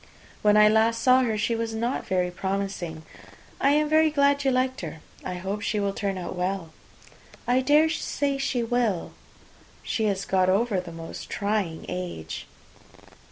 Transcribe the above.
When I last saw her, she was not very promising. I am very glad you liked her. I hope she will turn out well." "I dare say she will; she has got over the most trying age."